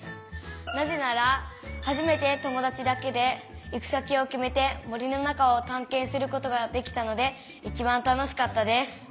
なぜなら初めて友だちだけで行き先を決めて森の中を探検することができたので一番楽しかったです。